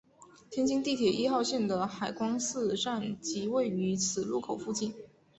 天津地铁一号线的海光寺站即位于此路口附近。